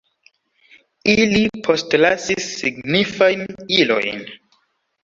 Ili postlasis signifajn ilojn.